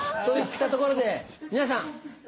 そういったところで皆さん